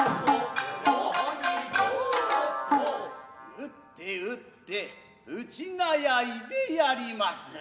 打って打って打ちなやいでやりまする。